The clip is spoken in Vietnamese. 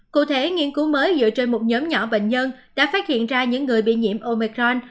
cụ thể nghiên cứu mới dựa trên một nhóm nhỏ bệnh nhân đã phát hiện ra những người bị nhiễm omicron